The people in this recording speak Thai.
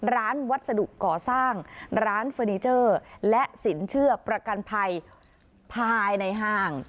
วัสดุก่อสร้างร้านเฟอร์นิเจอร์และสินเชื่อประกันภัยภายในห้าง